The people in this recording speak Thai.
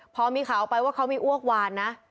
พอมีข่าวไปว่าเขามีอ้วกวานนะ